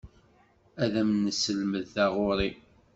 Ad am-nesselmed taɣuri.